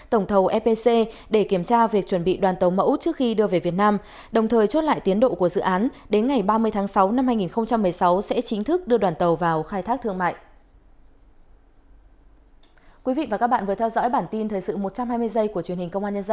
tổng thầu epc để kiểm tra việc chuẩn bị đoàn tàu mẫu trước khi đưa về việt nam đồng thời chốt lại tiến độ của dự án đến ngày ba mươi tháng sáu năm hai nghìn một mươi sáu sẽ chính thức đưa đoàn tàu vào khai thác thương mại